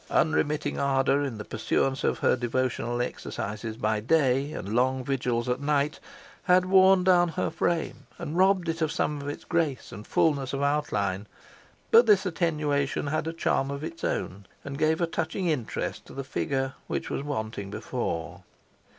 Unremitting ardour in the pursuance of her devotional exercises by day, and long vigils at night, had worn down her frame, and robbed it of some of its grace and fulness of outline; but this attenuation had a charm of its own, and gave a touching interest to her figure, which was wanting before.